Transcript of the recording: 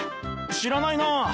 知らないなあ。